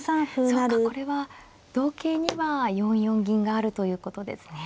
そうかこれは同桂には４四銀があるということですね。